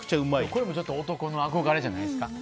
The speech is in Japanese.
これも男の憧れじゃないですか。